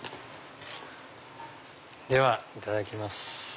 ではいただきます。